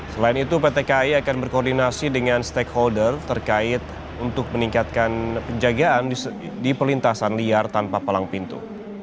selain itu pt kai akan berkoordinasi dengan stakeholder terkait untuk meningkatkan penjagaan di perlintasan liar tanpa palang pintu